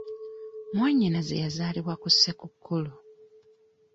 Mwannyinaze yazaalibwa ku Ssekukkulu.